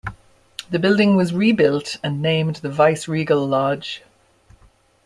The building was rebuilt and named the Viceregal Lodge.